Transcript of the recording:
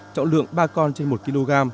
hai con trên một kg